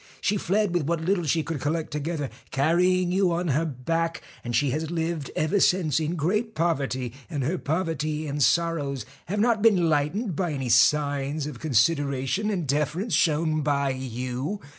She fled with what little she could collect together, carrying you on her back, and she has lived ever since in great poverty, and her poverty and sorrows have not been lightened by any signs of consideration and deference shown by you.